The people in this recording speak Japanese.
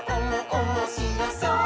おもしろそう！」